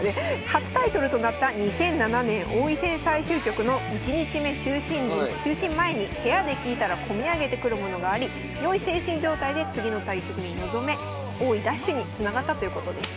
初タイトルとなった２００７年王位戦最終局の１日目就寝前に部屋で聴いたら込み上げてくるものがあり良い精神状態で次の対局に臨め王位奪取につながったということです。